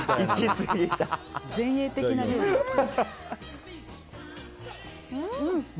前衛的な料理ですね。